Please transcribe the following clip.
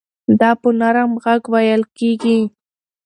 دا په نرم غږ وېل کېږي.